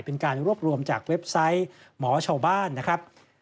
เป็นการรวบรวมจากเว็บไซต์หมอชาวบ้านนะครับ